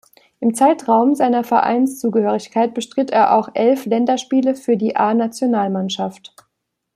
Im Zeitraum seiner Vereinszugehörigkeit bestritt er auch elf Länderspiele für die A-Nationalmannschaft.